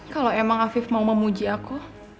kalau emang afif mau memuji aku